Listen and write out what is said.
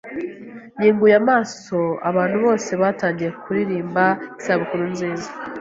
Nkinguye amaso, abantu bose batangiye kuririmba "Isabukuru nziza".